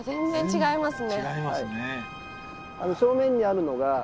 違いますね。